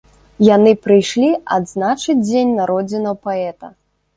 Яны прыйшлі адзначыць дзень народзінаў паэта.